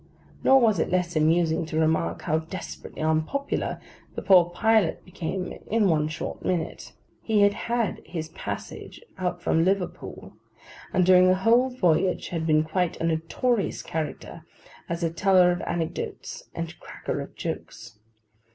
Nor was it less amusing to remark how desperately unpopular the poor pilot became in one short minute. He had had his passage out from Liverpool, and during the whole voyage had been quite a notorious character, as a teller of anecdotes and cracker of jokes.